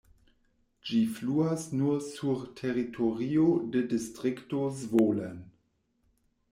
Ĝi fluas nur sur teritorio de Distrikto Zvolen.